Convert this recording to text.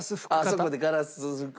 あそこでガラス拭く。